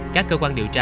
các cơ quan điều tra